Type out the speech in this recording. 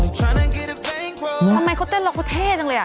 ทำไมเขาเต้นรอเท่จังเลย